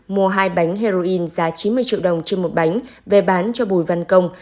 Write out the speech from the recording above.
mua hai bánh heroin giá chín mươi triệu đồng trên một bánh về bán cho bùi văn công